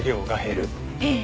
ええ。